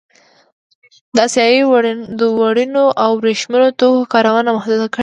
د اسیايي وړینو او ورېښمينو توکو کارونه محدوده کړي.